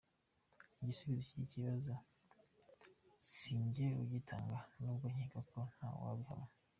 Igisubizo cy’iki kibazo si jye ugitanga, n’ubwo nkeka ko ntawabihamya.